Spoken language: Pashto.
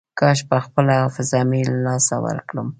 کاش چې خپله حافظه مې له لاسه ورکړم.